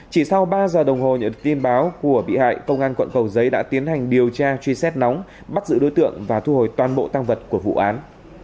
chỉ sau ba giờ đồng hồ nhận được tin báo của bị hại công an quận cầu giấy đã tiến hành điều tra truy xét nóng bắt giữ đối tượng và thu hồi toàn bộ tăng vật của vụ án